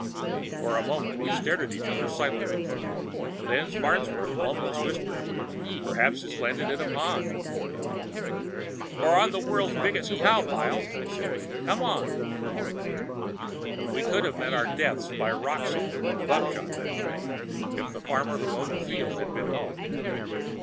For a moment, we stared at each other silently. Then Farnsworth almost whispered, "Perhaps it's landed in a pond." "Or in the world's biggest cow pile," I said. "Come on!" We could have met our deaths by rock salt and buckshot that night, if the farmer who owned that field had been home.